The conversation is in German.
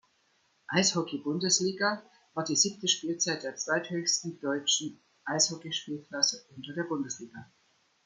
Eishockey-Bundesliga war die siebte Spielzeit der zweithöchsten deutschen Eishockeyspielklasse unter der Bundesliga.